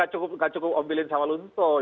dan gak cukup ombilin sawal lunto itu bisa seminggu